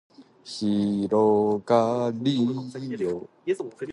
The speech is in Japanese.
広がりーよ